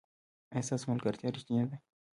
ایا ستاسو ملګرتیا ریښتینې ده؟